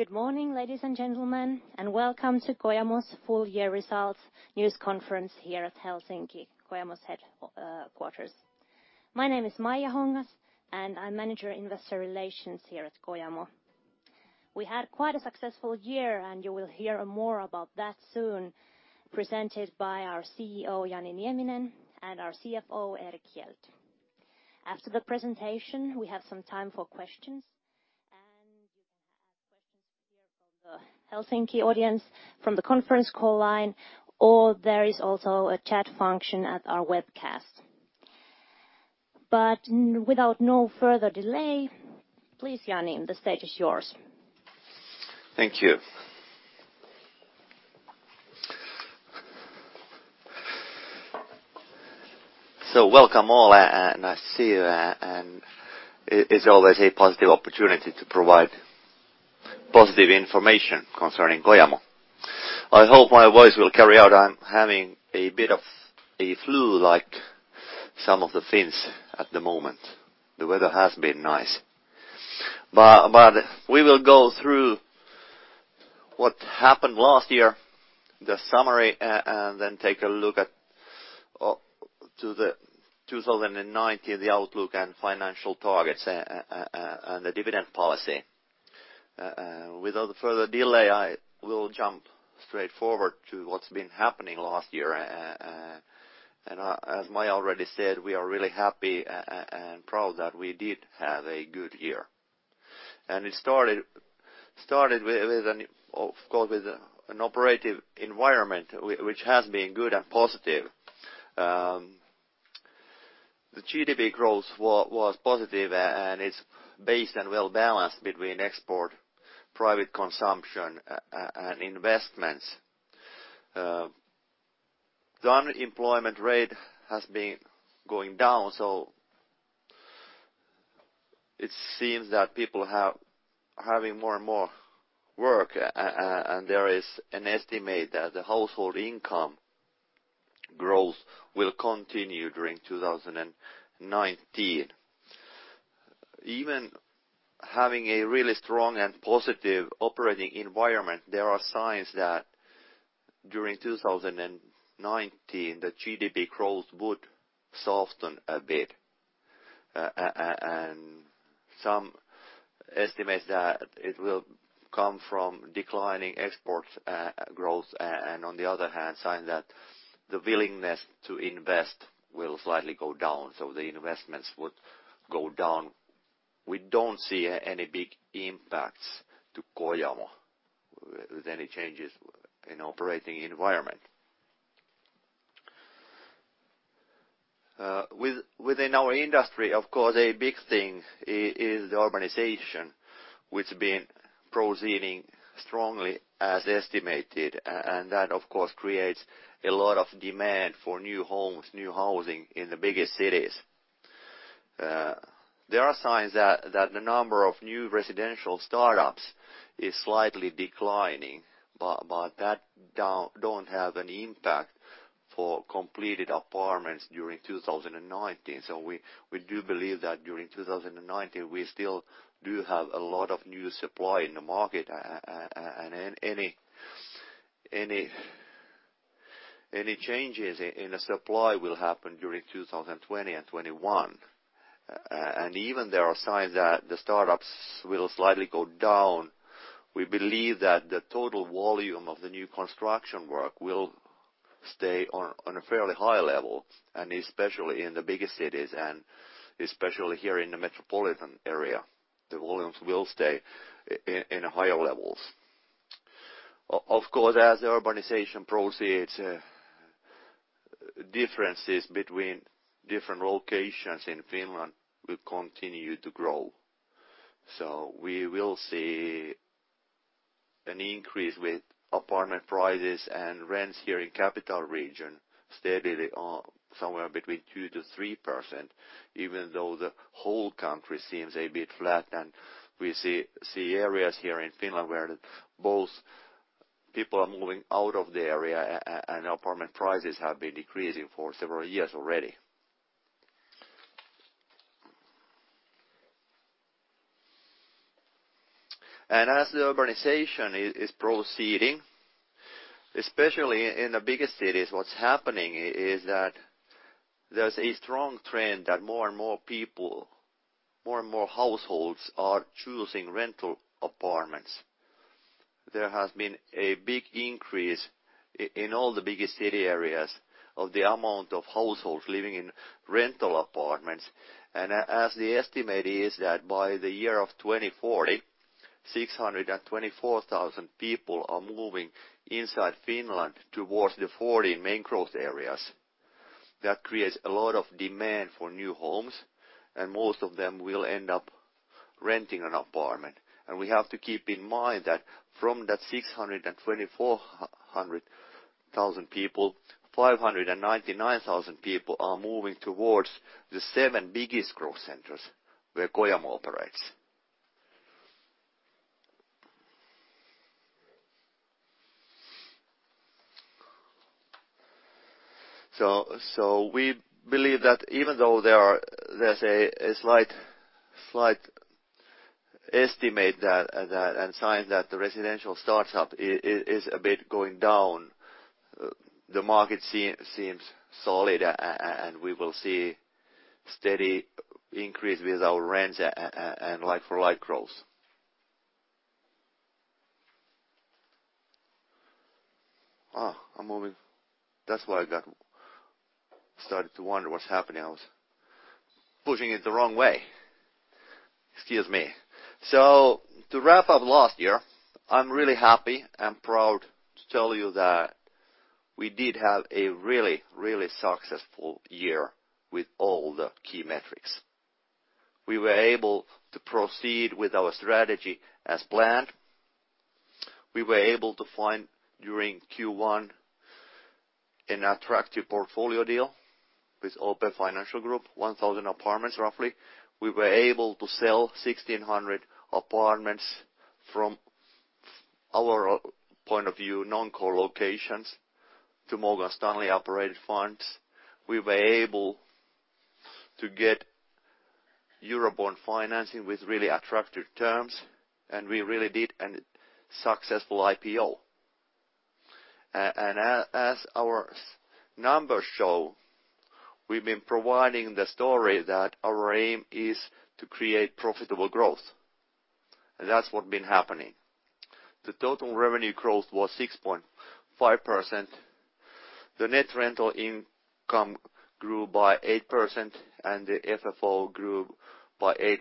Good morning, ladies and gentlemen, and welcome to Kojamo's full-year results news conference here at Helsinki, Kojamo's headquarters. My name is Maija Hongas, and I'm Manager Investor Relations here at Kojamo. We had quite a successful year, and you will hear more about that soon, presented by our CEO, Jani Nieminen, and our CFO, Erik Hjelt. After the presentation, we have some time for questions, and you can ask questions here from the Helsinki audience, from the conference call line, or there is also a chat function at our webcast. Without no further delay, please, Jani, the stage is yours. Thank you. So welcome all, and I see you, and it's always a positive opportunity to provide positive information concerning Kojamo. I hope my voice will carry out. I'm having a bit of a flu-like some of the things at the moment. The weather has been nice. We will go through what happened last year, the summary, and then take a look at 2019, the outlook, and financial targets, and the dividend policy. Without further delay, I will jump straight forward to what's been happening last year. As Maija already said, we are really happy and proud that we did have a good year. It started, of course, with an operative environment, which has been good and positive. The GDP growth was positive, and it's based and well-balanced between export, private consumption, and investments. The unemployment rate has been going down, so it seems that people are having more and more work, and there is an estimate that the household income growth will continue during 2019. Even having a really strong and positive operating environment, there are signs that during 2019, the GDP growth would soften a bit. Some estimate that it will come from declining export growth, and on the other hand, signs that the willingness to invest will slightly go down, so the investments would go down. We do not see any big impacts to Kojamo with any changes in operating environment. Within our industry, of course, a big thing is the urbanization, which has been proceeding strongly as estimated, and that, of course, creates a lot of demand for new homes, new housing in the biggest cities. There are signs that the number of new residential startups is slightly declining, but that does not have an impact for completed apartments during 2019. We do believe that during 2019, we still do have a lot of new supply in the market, and any changes in the supply will happen during 2020 and 2021. Even though there are signs that the startups will slightly go down, we believe that the total volume of the new construction work will stay on a fairly high level, especially in the biggest cities, and especially here in the metropolitan area, the volumes will stay in higher levels. Of course, as urbanization proceeds, differences between different locations in Finland will continue to grow. We will see an increase with apartment prices and rents here in the capital region steadily somewhere between 2-3%, even though the whole country seems a bit flat. We see areas here in Finland where both people are moving out of the area, and apartment prices have been decreasing for several years already. As the urbanization is proceeding, especially in the biggest cities, what's happening is that there's a strong trend that more and more people, more and more households are choosing rental apartments. There has been a big increase in all the biggest city areas of the amount of households living in rental apartments. The estimate is that by the year 2040, 624,000 people are moving inside Finland towards the 40 main growth areas. That creates a lot of demand for new homes, and most of them will end up renting an apartment. We have to keep in mind that from that 624,000 people, 599,000 people are moving towards the seven biggest growth centers where Kojamo operates. We believe that even though there's a slight estimate and signs that the residential startup is a bit going down, the market seems solid, and we will see a steady increase with our rents and for light growth. Oh, I'm moving. That's why I got started to wonder what's happening. I was pushing it the wrong way. Excuse me. To wrap up last year, I'm really happy and proud to tell you that we did have a really, really successful year with all the key metrics. We were able to proceed with our strategy as planned. We were able to find during Q1 an attractive portfolio deal with OP Financial Group, 1,000 apartments roughly. We were able to sell 1,600 apartments from our point of view, non-core locations to Morgan Stanley operated funds. We were able to get Eurobond financing with really attractive terms, and we really did a successful IPO. As our numbers show, we have been providing the story that our aim is to create profitable growth. That is what has been happening. The total revenue growth was 6.5%. The net rental income grew by 8%, and the FFO grew by 8%.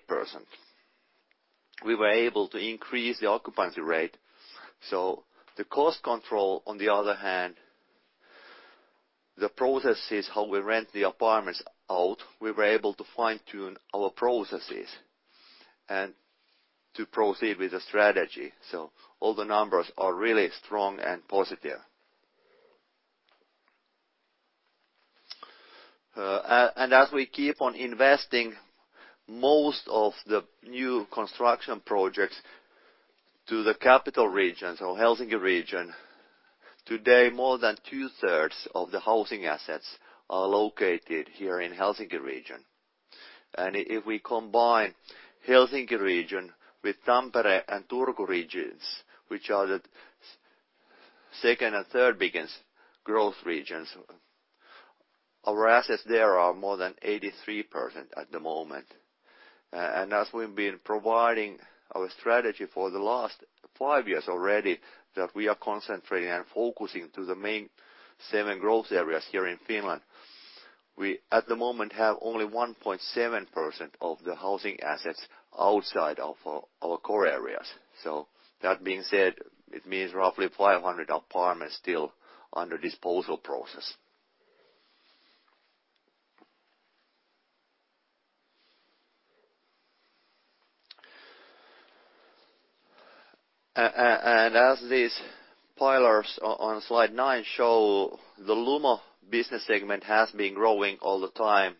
We were able to increase the occupancy rate. The cost control, on the other hand, the processes how we rent the apartments out, we were able to fine-tune our processes and to proceed with the strategy. All the numbers are really strong and positive. As we keep on investing most of the new construction projects to the capital region, so Helsinki region, today more than two-thirds of the housing assets are located here in Helsinki region. If we combine Helsinki region with Tampere and Turku regions, which are the second and third biggest growth regions, our assets there are more than 83% at the moment. As we have been providing our strategy for the last five years already, that we are concentrating and focusing to the main seven growth areas here in Finland, we at the moment have only 1.7% of the housing assets outside of our core areas. That being said, it means roughly 500 apartments still under disposal process. As these pillars on slide 9 show, the LUMO business segment has been growing all the time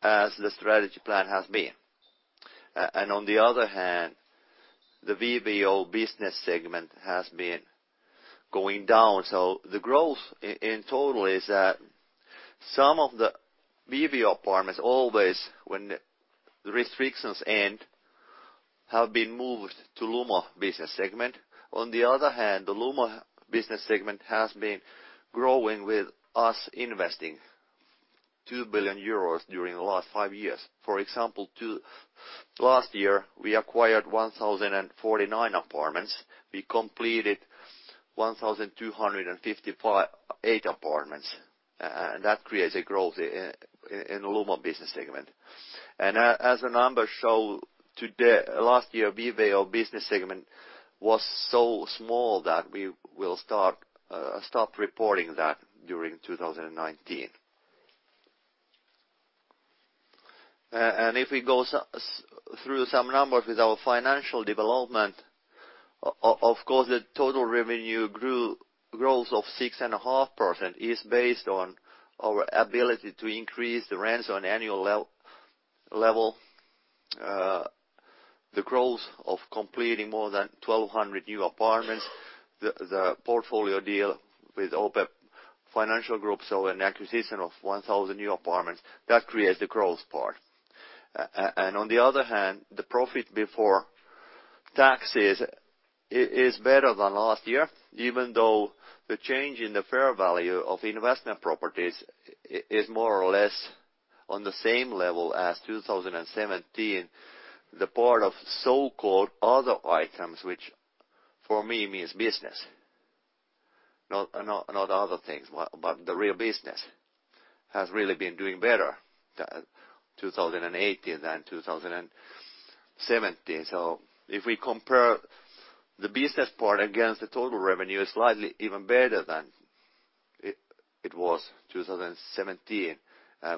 as the strategy plan has been. On the other hand, the VBO business segment has been going down. The growth in total is that some of the VBO apartments always, when the restrictions end, have been moved to LUMO business segment. On the other hand, the LUMO business segment has been growing with us investing 2 billion euros during the last five years. For example, last year, we acquired 1,049 apartments. We completed 1,258 apartments. That creates a growth in the LUMO business segment. As the numbers show, last year, VBO business segment was so small that we will stop reporting that during 2019. If we go through some numbers with our financial development, of course, the total revenue growth of 6.5% is based on our ability to increase the rents on annual level, the growth of completing more than 1,200 new apartments, the portfolio deal with OP Financial Group, so an acquisition of 1,000 new apartments. That creates the growth part. On the other hand, the profit before taxes is better than last year, even though the change in the fair value of investment properties is more or less on the same level as 2017. The part of so-called other items, which for me means business, not other things, but the real business has really been doing better 2018 than 2017. If we compare the business part against the total revenue, it's slightly even better than it was 2017.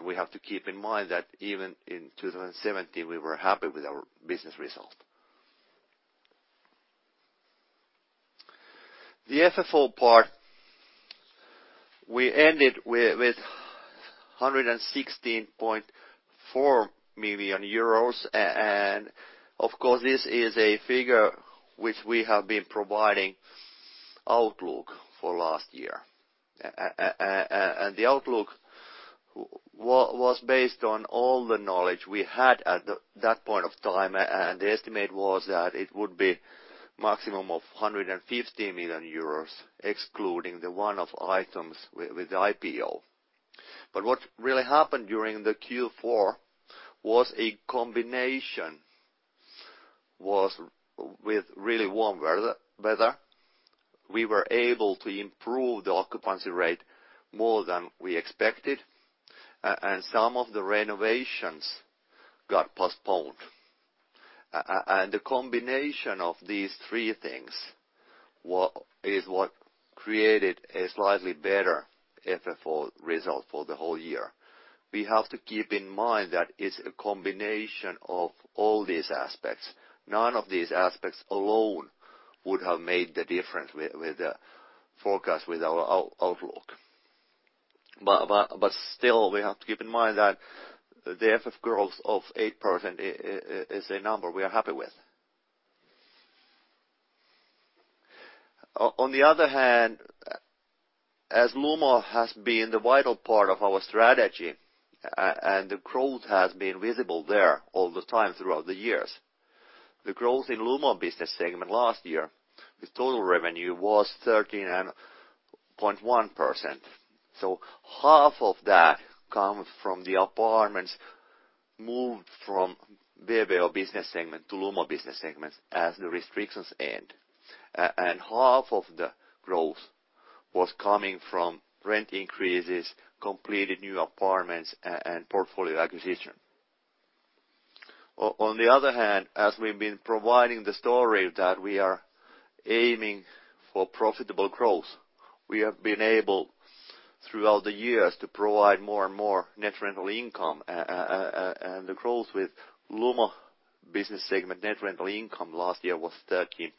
We have to keep in mind that even in 2017, we were happy with our business result. The FFO part, we ended with 116.4 million euros. Of course, this is a figure which we have been providing outlook for last year. The outlook was based on all the knowledge we had at that point of time, and the estimate was that it would be a maximum of 150 million euros, excluding the one-off items with the IPO. What really happened during Q4 was a combination with really warm weather. We were able to improve the occupancy rate more than we expected, and some of the renovations got postponed. The combination of these three things is what created a slightly better FFO result for the whole year. We have to keep in mind that it is a combination of all these aspects. None of these aspects alone would have made the difference with the forecast with our outlook. Still, we have to keep in mind that the FFO growth of 8% is a number we are happy with. On the other hand, as Lumo has been the vital part of our strategy, and the growth has been visible there all the time throughout the years, the growth in Lumo business segment last year with total revenue was 13.1%. Half of that comes from the apartments moved from VBO business segment to Lumo business segment as the restrictions end. Half of the growth was coming from rent increases, completed new apartments, and portfolio acquisition. On the other hand, as we've been providing the story that we are aiming for profitable growth, we have been able throughout the years to provide more and more net rental income. The growth with Lumo business segment net rental income last year was 13%.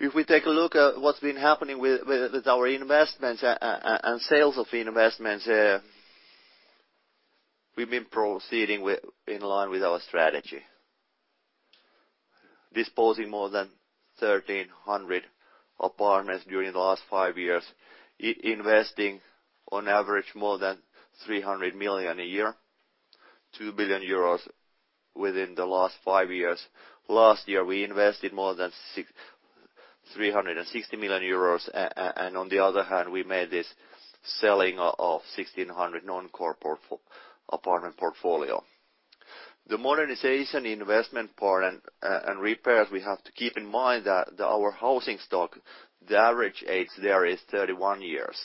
If we take a look at what has been happening with our investments and sales of investments, we have been proceeding in line with our strategy, disposing more than 1,300 apartments during the last five years, investing on average more than 300 million a year, 2 billion euros within the last five years. Last year, we invested more than 360 million euros. On the other hand, we made this selling of 1,600 non-core apartment portfolio. The modernization investment part and repairs, we have to keep in mind that our housing stock, the average age there is 31 years.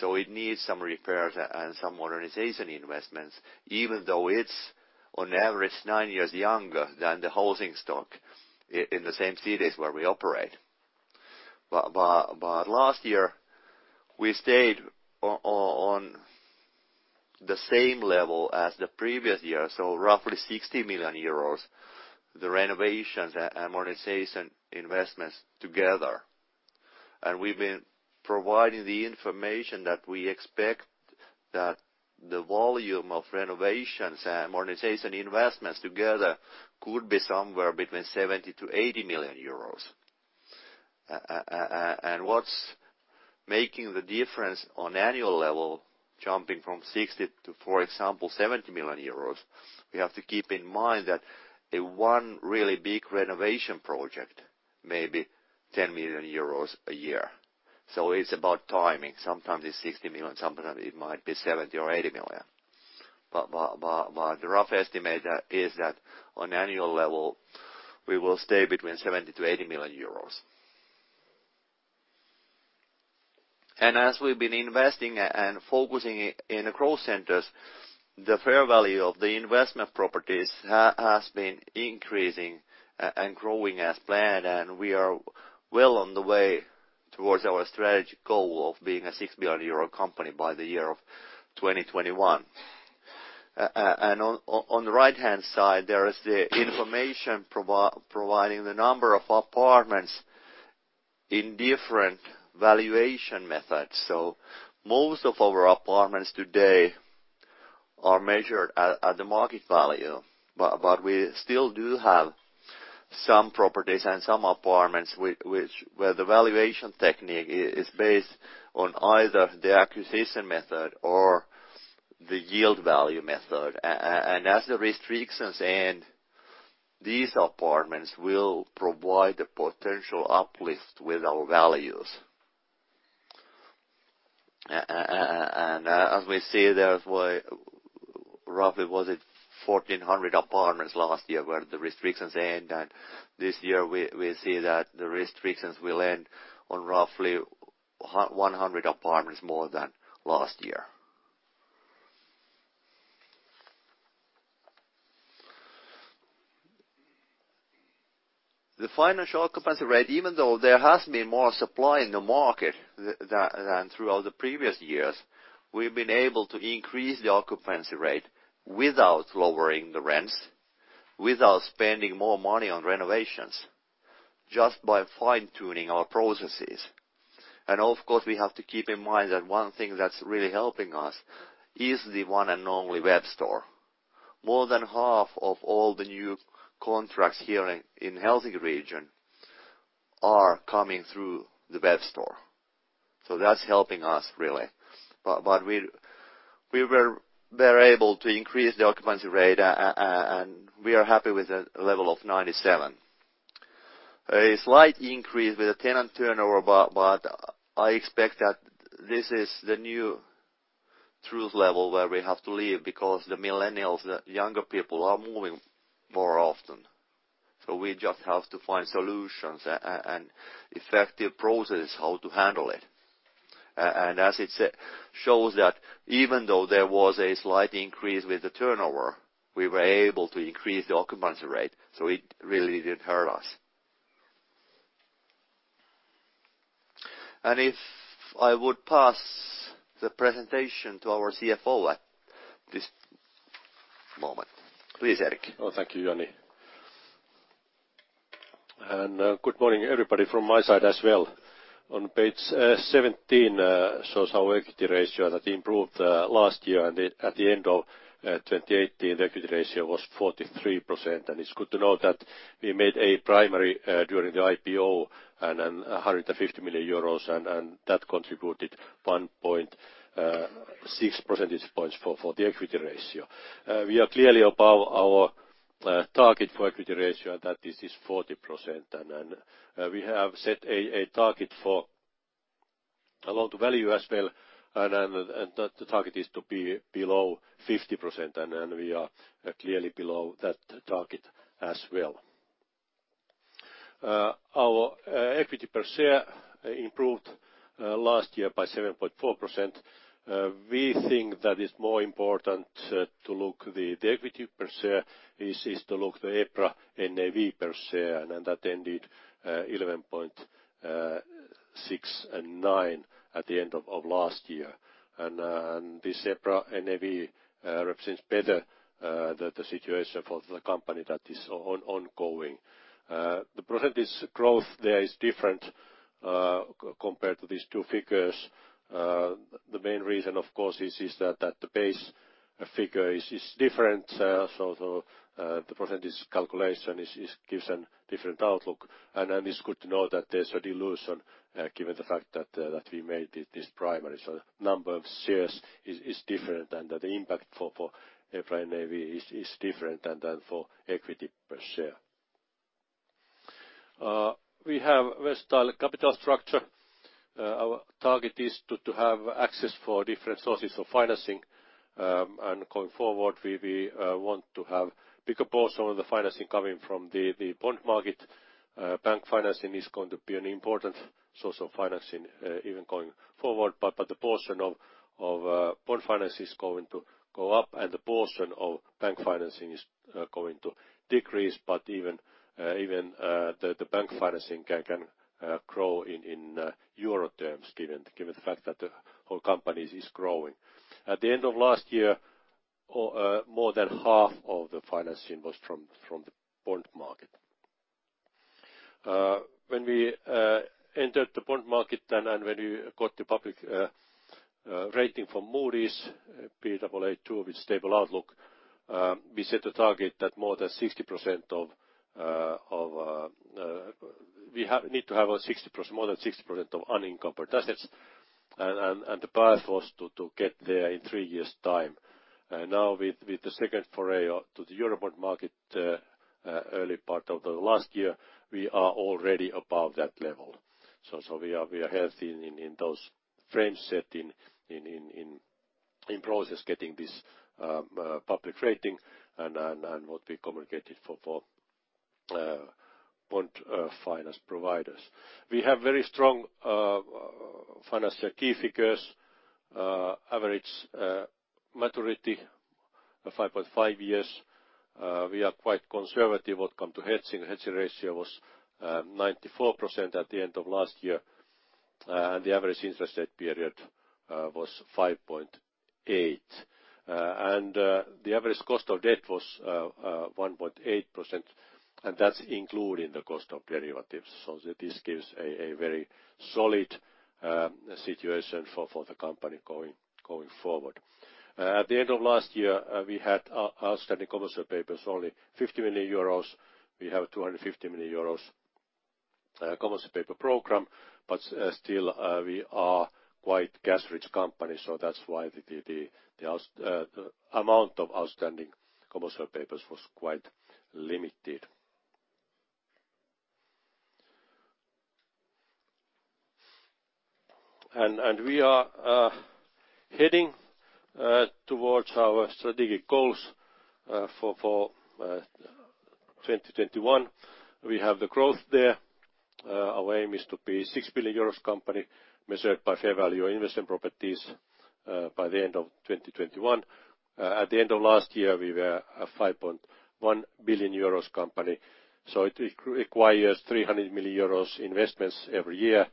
It needs some repairs and some modernization investments, even though it is on average nine years younger than the housing stock in the same cities where we operate. Last year, we stayed on the same level as the previous year, so roughly 60 million euros, the renovations and modernization investments together. We've been providing the information that we expect that the volume of renovations and modernization investments together could be somewhere between 70-80 million euros. What's making the difference on annual level, jumping from 60 million to, for example, 70 million euros, we have to keep in mind that one really big renovation project may be 10 million euros a year. It's about timing. Sometimes it's 60 million, sometimes it might be 70 or 80 million. The rough estimate is that on annual level, we will stay between 70-80 million euros. As we have been investing and focusing in the growth centers, the fair value of the investment properties has been increasing and growing as planned, and we are well on the way towards our strategic goal of being a 6 billion euro company by the year of 2021. On the right-hand side, there is the information providing the number of apartments in different valuation methods. Most of our apartments today are measured at the market value, but we still do have some properties and some apartments where the valuation technique is based on either the acquisition method or the yield value method. As the restrictions end, these apartments will provide a potential uplift with our values. As we see, there is roughly, was it 1,400 apartments last year where the restrictions end, and this year we see that the restrictions will end on roughly 100 apartments more than last year. The financial occupancy rate, even though there has been more supply in the market than throughout the previous years, we have been able to increase the occupancy rate without lowering the rents, without spending more money on renovations, just by fine-tuning our processes. Of course, we have to keep in mind that one thing that is really helping us is the one and only web store. More than half of all the new contracts here in the Helsinki region are coming through the web store. That is helping us really. We were able to increase the occupancy rate, and we are happy with the level of 97. A slight increase with the tenant turnover, but I expect that this is the new truth level where we have to live because the millennials, the younger people, are moving more often. We just have to find solutions and effective processes how to handle it. It shows that even though there was a slight increase with the turnover, we were able to increase the occupancy rate. It really did not hurt us. If I would pass the presentation to our CFO at this moment. Please, Erik. Oh, thank you, Jani Nieminen. Good morning, everybody, from my side as well. On page 17 shows our equity ratio that improved last year. At the end of 2018, the equity ratio was 43%. It is good to know that we made a primary during the IPO and 150 million euros, and that contributed 1.6 percentage points for the equity ratio. We are clearly above our target for equity ratio, and that is 40%. We have set a target for loan-to-value as well. The target is to be below 50%, and we are clearly below that target as well. Our equity per share improved last year by 7.4%. We think that it is more important to look at the equity per share, to look at the EPRA NAV per share, and that ended 11.69 at the end of last year. This EPRA NAV represents better the situation for the company that is ongoing. The percentage growth there is different compared to these two figures. The main reason, of course, is that the base figure is different. The percentage calculation gives a different outlook. It is good to know that there is a dilution given the fact that we made this primary. The number of shares is different, and the impact for EPRA NAV is different than for equity per share. We have versatile capital structure. Our target is to have access for different sources of financing. Going forward, we want to have a bigger portion of the financing coming from the bond market. Bank financing is going to be an important source of financing even going forward. The portion of bond financing is going to go up, and the portion of bank financing is going to decrease. Even the bank financing can grow in euro terms, given the fact that the whole company is growing. At the end of last year, more than half of the financing was from the bond market. When we entered the bond market and when we got the public rating from Moody's, be a to with stable outlook, we set a target that more than 60% of we need to have more than 60% of unincorporated assets. The path was to get there in three years' time. Now, with the second foray to the euro bond market early part of the last year, we are already above that level. We are healthy in those frames setting in process getting this public rating and what we communicated for bond finance providers. We have very strong financial key figures, average maturity 5.5 years. We are quite conservative what come to Haentzel. Haentzel ratio was 94% at the end of last year. The average interest rate period was 5.8. The average cost of debt was 1.8%, and that's including the cost of derivatives. This gives a very solid situation for the company going forward. At the end of last year, we had outstanding commercial papers only 50 million euros. We have a 250 million euros commercial paper program, but still we are quite cash-rich company. That is why the amount of outstanding commercial papers was quite limited. We are heading towards our strategic goals for 2021. We have the growth there. Our aim is to be a 6 billion euros company measured by fair value investment properties by the end of 2021. At the end of last year, we were a 5.1 billion euros company. It requires 300 million euros investments every year.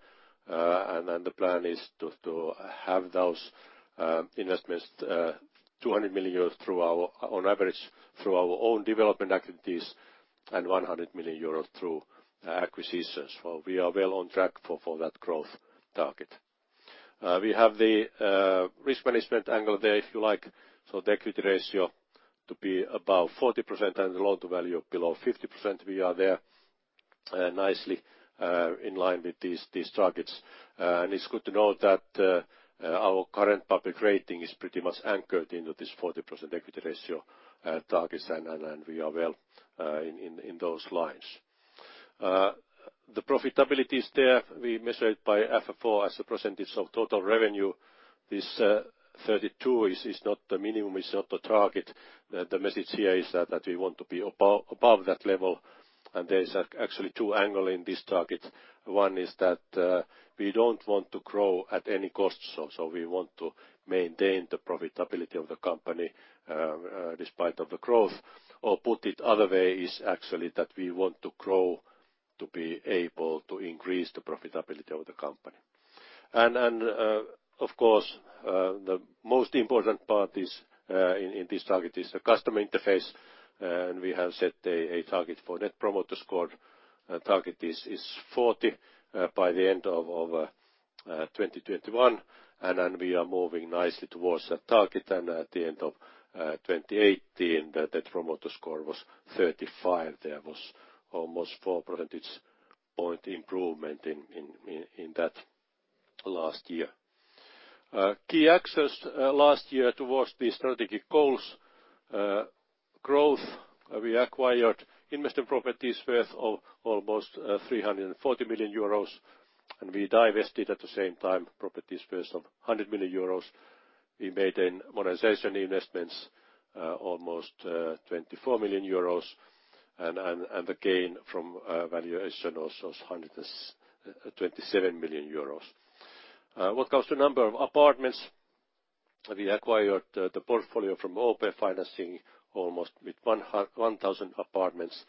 The plan is to have those investments, 200 million euros on average through our own development activities and 100 million euros through acquisitions. We are well on track for that growth target. We have the risk management angle there, if you like. The equity ratio to be above 40% and the loan-to-value below 50%. We are there nicely in line with these targets. It is good to know that our current public rating is pretty much anchored into this 40% equity ratio targets, and we are well in those lines. The profitability is there. We measured by FFO as a percentage of total revenue. This 32 is not the minimum, is not the target. The message here is that we want to be above that level. There is actually two angles in this target. One is that we do not want to grow at any cost. We want to maintain the profitability of the company despite the growth. Or put it other way, is actually that we want to grow to be able to increase the profitability of the company. Of course, the most important part in this target is the customer interface. We have set a target for net promoter score. The target is 40 by the end of 2021. We are moving nicely towards that target. At the end of 2018, that promoter score was 35. There was almost 4 percentage point improvement in that last year. Key actions last year towards these strategic goals. Growth. We acquired investment properties worth almost 340 million euros. We divested at the same time properties worth 100 million euros. We made modernization investments almost 24 million euros. The gain from valuation also was 127 million euros. What comes to number of apartments? We acquired the portfolio from OP Financial Group almost with 1,000 apartments,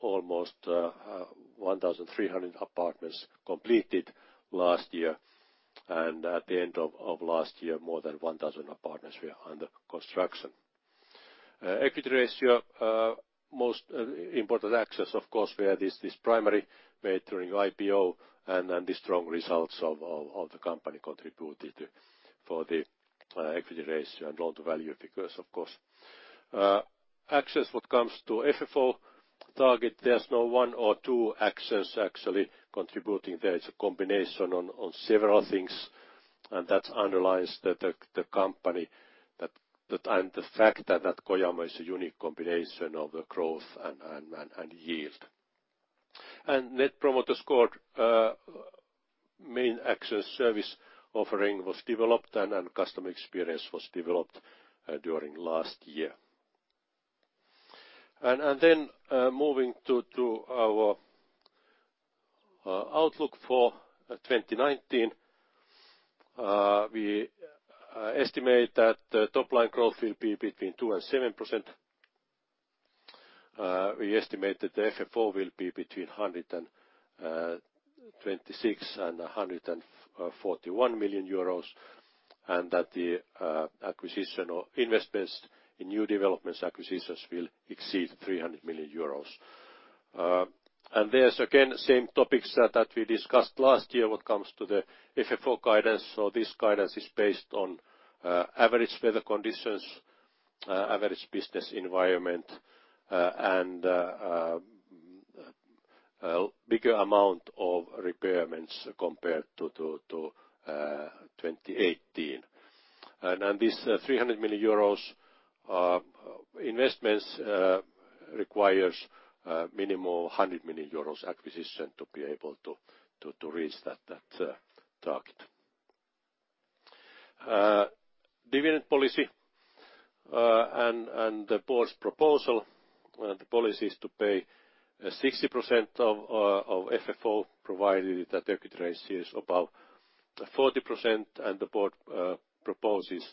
almost 1,300 apartments completed last year. At the end of last year, more than 1,000 apartments were under construction. Equity ratio, most important actions, of course, were this primarily made during IPO. The strong results of the company contributed for the equity ratio and loan-to-value figures, of course. Actions what comes to FFO target, there's no one or two actions actually contributing there. It's a combination on several things. That underlines the company and the fact that Kojamo is a unique combination of the growth and yield. Net promoter score, main action service offering was developed and customer experience was developed during last year. Moving to our outlook for 2019, we estimate that top line growth will be between 2% and 7%. We estimate that the FFO will be between 126 million and 141 million euros. The acquisition or investments in new development acquisitions will exceed 300 million euros. There are again same topics that we discussed last year regarding the FFO guidance. This guidance is based on average weather conditions, average business environment, and a bigger amount of repairments compared to 2018. These 300 million euros investments require a minimum 100 million euros acquisition to be able to reach that target. Dividend policy and the board's proposal. The policy is to pay 60% of FFO provided that the equity ratio is above 40%. The board proposes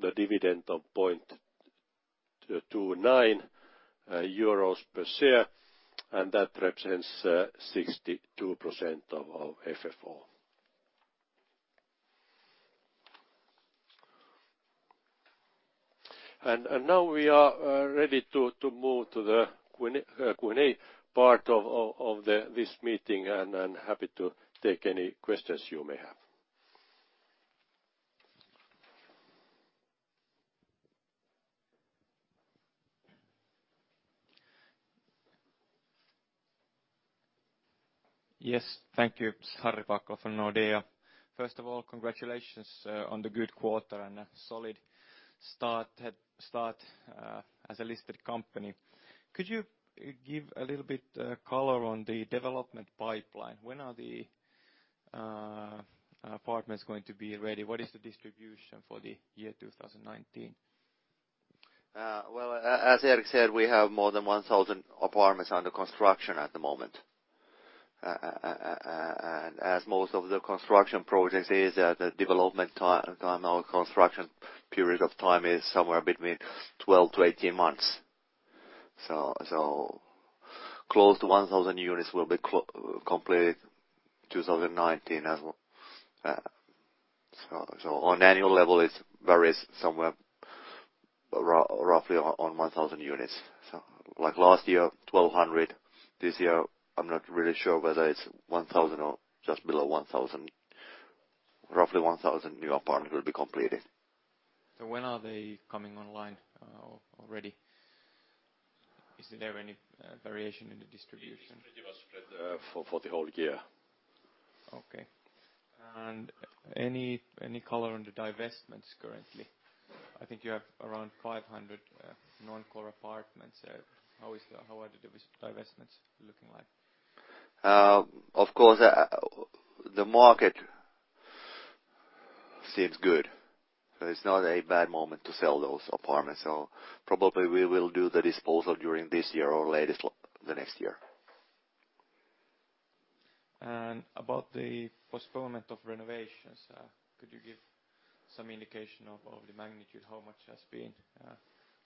the dividend of 0.29 euros per share. That represents 62% of FFO. Now we are ready to move to the Q&A part of this meeting. I am happy to take any questions you may have. Yes, thank you, Harri Hakala from Nordea. First of all, congratulations on the good quarter and a solid start as a listed company. Could you give a little bit color on the development pipeline? When are the apartments going to be ready? What is the distribution for the year 2019? As Erik said, we have more than 1,000 apartments under construction at the moment. As most of the construction projects is, the development time or construction period of time is somewhere between 12-18 months. Close to 1,000 units will be completed 2019. On annual level, it varies somewhere roughly on 1,000 units. Like last year, 1,200. This year, I'm not really sure whether it's 1,000 or just below 1,000. Roughly 1,000 new apartments will be completed. When are they coming online already? Is there any variation in the distribution? For the whole year. Okay. Any color on the divestments currently? I think you have around 500 non-core apartments. How are the divestments looking like? Of course, the market seems good. It's not a bad moment to sell those apartments. Probably we will do the disposal during this year or the next year. About the postponement of renovations, could you give some indication of the magnitude, how much has been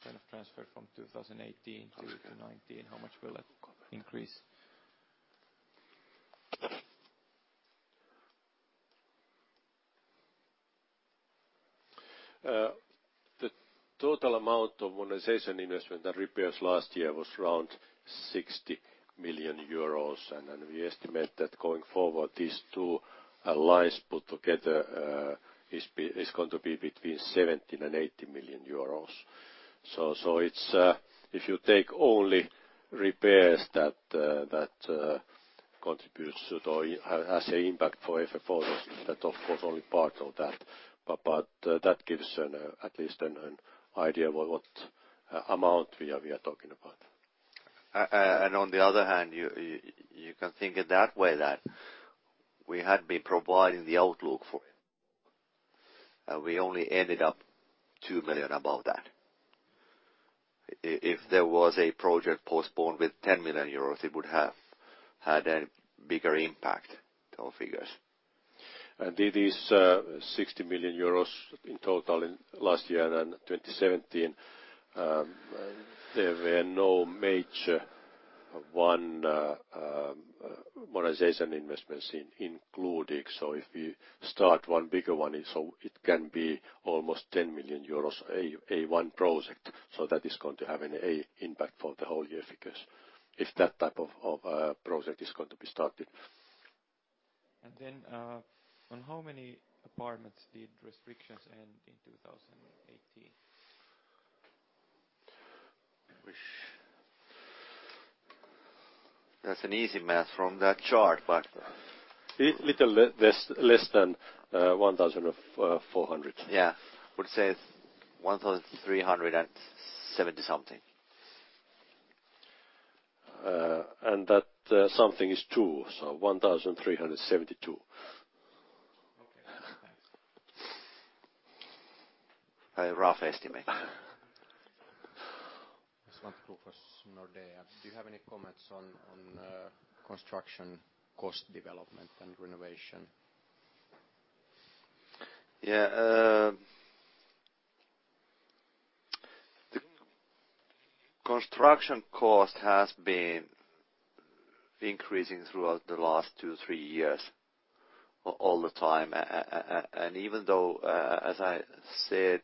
kind of transferred from 2018 to 2019? How much will it increase? The total amount of modernization investment and repairs last year was around 60 million euros. We estimate that going forward, these two lines put together are going to be between 17 million-18 million euros. If you take only repairs, that contributes as an impact for FFO, that's of course only part of that. That gives at least an idea of what amount we are talking about. On the other hand, you can think it that way that we had been providing the outlook for it. We only ended up 2 million above that. If there was a project postponed with 10 million euros, it would have had a bigger impact on figures. These 60 million euros in total last year and 2017, there were no major one modernization investments included. If we start one bigger one, it can be almost 10 million euros, one project. That is going to have an impact for the whole year figures if that type of project is going to be started. On how many apartments did restrictions end in 2018? That is easy math from that chart, but less than 1,400. Yeah. I would say 1,370 something. That something is 2. So 1,372. Okay. Thanks. Rough estimate. This one to go for Nordea. Do you have any comments on construction cost development and renovation? Yeah. Construction cost has been increasing throughout the last two, three years all the time. Even though, as I said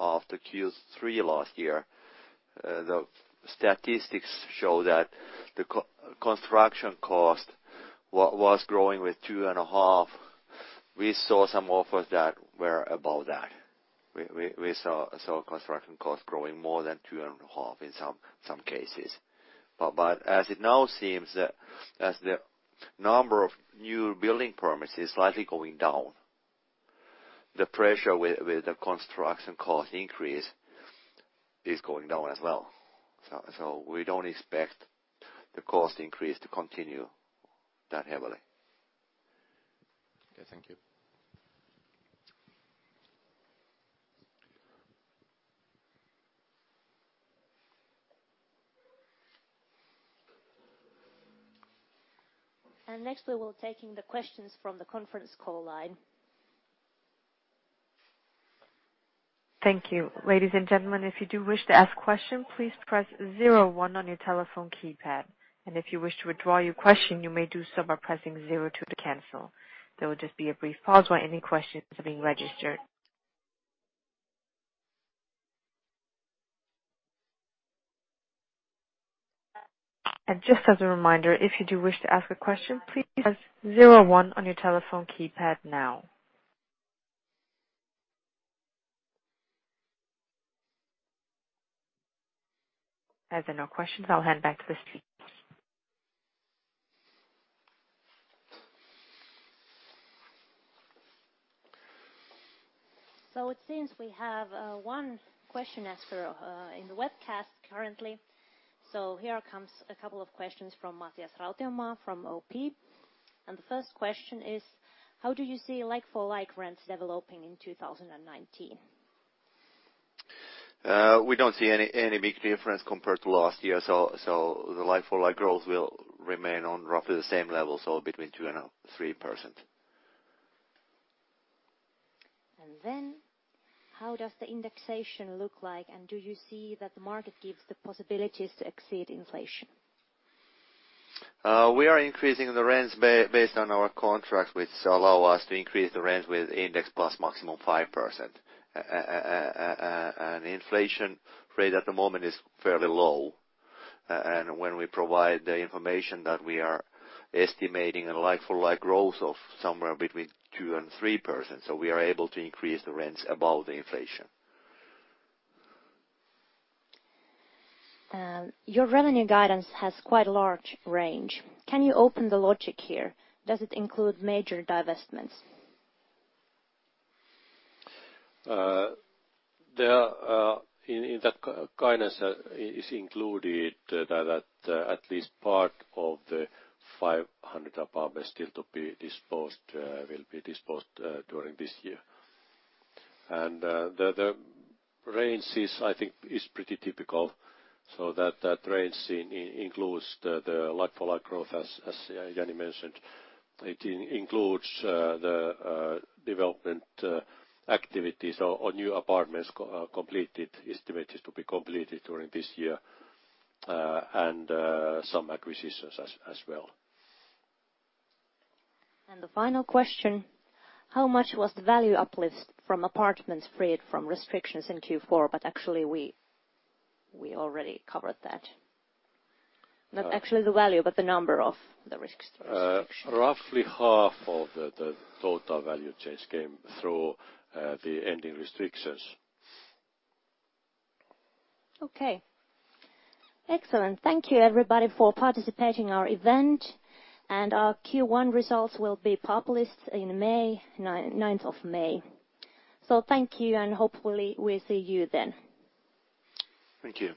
after Q3 last year, the statistics show that the construction cost was growing with 2.5%. We saw some offers that were above that. We saw construction cost growing more than 2.5% in some cases. As it now seems that as the number of new building permits is slightly going down, the pressure with the construction cost increase is going down as well. We do not expect the cost increase to continue that heavily. Okay. Thank you. Next, we will be taking the questions from the conference call line. Thank you. Ladies and gentlemen, if you do wish to ask a question, please press 01 on your telephone keypad. If you wish to withdraw your question, you may do so by pressing 02 to cancel. There will just be a brief pause while any questions are being registered. Just as a reminder, if you do wish to ask a question, please press 01 on your telephone keypad now. As there are no questions, I'll hand back to the speakers. It seems we have one question asked in the webcast currently. Here comes a couple of questions from Matias Rautelma from OP. The first question is, how do you see like-for-like rents developing in 2019? We don't see any big difference compared to last year. The like-for-like growth will remain on roughly the same level, so between 2-3%. How does the indexation look like? Do you see that the market gives the possibilities to exceed inflation? We are increasing the rents based on our contracts, which allow us to increase the rents with index plus maximum 5%. The inflation rate at the moment is fairly low. When we provide the information that we are estimating a like-for-like growth of somewhere between 2-3%, we are able to increase the rents above the inflation. Your revenue guidance has quite a large range. Can you open the logic here? Does it include major divestments? In that guidance, it is included that at least part of the 500 apartments still to be disposed will be disposed during this year. The range is, I think, pretty typical. That range includes the like-for-like growth, as Jani mentioned. It includes the development activities or new apartments completed estimated to be completed during this year, and some acquisitions as well. The final question, how much was the value uplift from apartments freed from restrictions in Q4? Actually, we already covered that. Not actually the value, but the number of the restrictions. Roughly half of the total value change came through the ending restrictions. Okay. Excellent. Thank you, everybody, for participating in our event. Our Q1 results will be published in May, 9th of May. Thank you, and hopefully we see you then. Thank you.